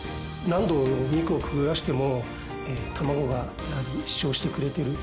何度お肉をくぐらせてもたまごが主張してくれている。